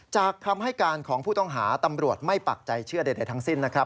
คำให้การของผู้ต้องหาตำรวจไม่ปักใจเชื่อใดทั้งสิ้นนะครับ